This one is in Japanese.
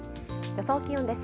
予想気温です。